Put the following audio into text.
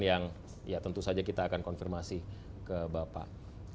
yang ya tentu saja kita akan konfirmasi ke bapak